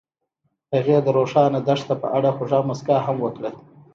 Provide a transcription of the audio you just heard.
هغې د روښانه دښته په اړه خوږه موسکا هم وکړه.